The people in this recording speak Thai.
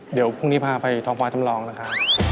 เดี๋ยวพรุ่งนี้พาไปท้องฟ้าจำลองนะครับ